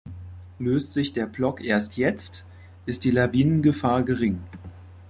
Löst sich der Block erst jetzt, ist die Lawinengefahr gering.